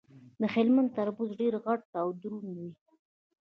د هلمند تربوز ډیر غټ او دروند وي.